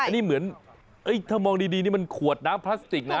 อันนี้เหมือนถ้ามองดีนี่มันขวดน้ำพลาสติกนะ